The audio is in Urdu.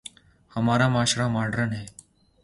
ہمارا معاشرہ ماڈرن ہے۔